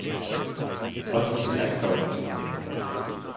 Was muss ich einkaufen?